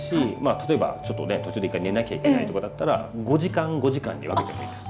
例えばちょっとね途中で寝なきゃいけないとかだったら５時間５時間に分けてもいいです。